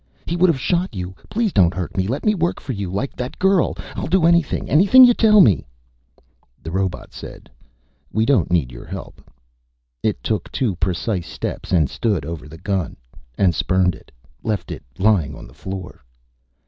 "He would have shot you please don't hurt me! Let me work for you, like that girl. I'll do anything, anything you tell me " The robot voice said. "We don't need your help." It took two precise steps and stood over the gun and spurned it, left it lying on the floor.